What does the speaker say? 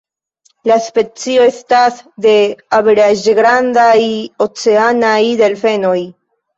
La specio estas de averaĝ-grandaj oceanaj delfenoj.